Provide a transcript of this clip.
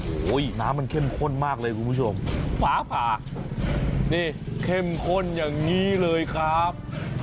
โอ้โหน้ำมันเข้มข้นมากเลยคุณผู้ชมฝาป่านี่เข้มข้นอย่างนี้เลยครับ